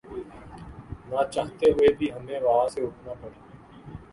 ناچاہتے ہوئے بھی ہمیں وہاں سے اٹھنا پڑا